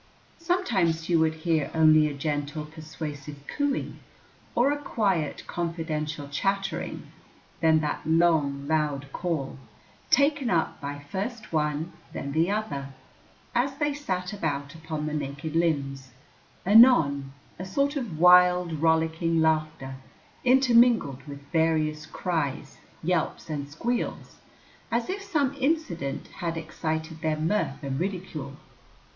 Sometimes you would hear only a gentle persuasive cooing, or a quiet confidential chattering; then that long, loud call, taken up by first one, then another, as they sat about upon the naked limbs; anon, a sort of wild, rollicking laughter, intermingled with various cries, yelps, and squeals, as if some incident had excited their mirth and ridicule.